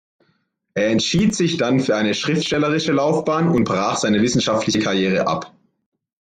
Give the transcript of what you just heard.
Er entschied sich dann für eine schriftstellerische Laufbahn und brach seine wissenschaftliche Karriere ab.